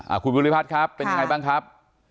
อ่าคุณพุฟัฒน์ครับเป็นยังไงบ้างครับ